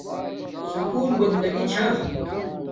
سکول بندگی چھا